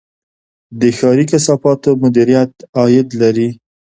د ښاري کثافاتو مدیریت عاید لري